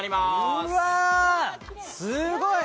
うわ、すごい。